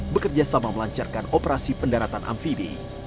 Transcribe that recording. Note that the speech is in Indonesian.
bekerja sama melancarkan operasi pendaratan amfibi